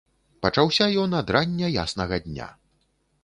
Пачаўся ён ад рання яснага дня.